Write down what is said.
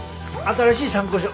新しい参考書。